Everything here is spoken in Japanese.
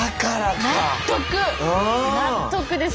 納得です